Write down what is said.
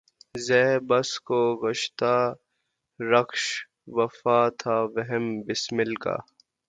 ز بس خوں گشتۂ رشک وفا تھا وہم بسمل کا